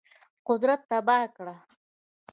قدرت تباه کړ.